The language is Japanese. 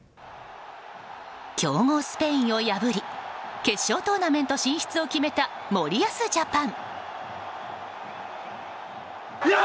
強豪スペインを破り決勝トーナメント進出を決めた森保ジャパン。